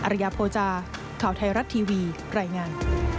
ริยโภจาข่าวไทยรัฐทีวีรายงาน